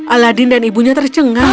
aladin dan ibunya tercengang